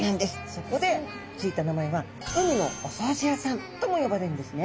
そこで付いた名前は海のお掃除屋さんとも呼ばれるんですね。